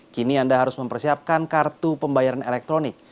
kini anda harus mempersiapkan kartu pembayaran elektronik